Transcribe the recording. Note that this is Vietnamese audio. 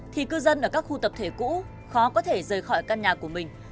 thì cư dân ở các khu tập thể cũ khó có thể rời khỏi căn nhà của mình